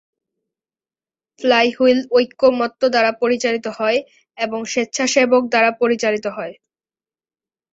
Flywheel ঐক্যমত্য দ্বারা পরিচালিত হয় এবং স্বেচ্ছাসেবক দ্বারা পরিচালিত হয়।